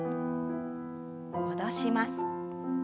戻します。